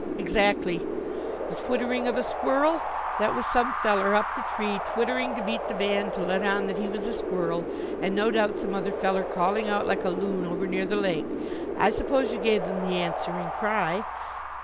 "Exactly, the twittering of a squirrel! That was some feller up the tree twittering to beat the band to let on that he was a squirrel, and no doubt some other feller calling out like a loon over near the lake. I suppose you gave them the answering cry?"